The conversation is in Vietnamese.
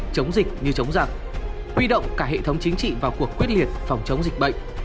chống dịch như chống giặc huy động cả hệ thống chính trị vào cuộc quyết liệt phòng chống dịch bệnh